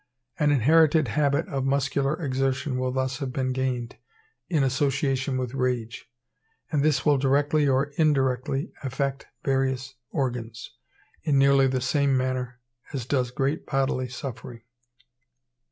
An inherited habit of muscular exertion will thus have been gained in association with rage; and this will directly or indirectly affect various organs, in nearly the same manner as does great bodily suffering.